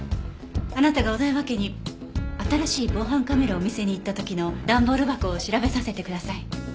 あなたが小田山家に新しい防犯カメラを見せに行った時の段ボール箱を調べさせてください。